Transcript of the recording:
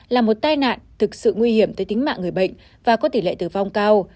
là một tai nạn thực sự nguy hiểm tới tính mạng người bệnh và có tỷ lệ tử vong cao